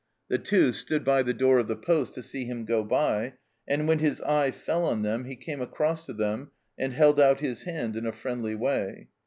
The Two stood by the door of the postc to see him go by, and when his eye fell on them he came across to them and held out his hand in a friendly way.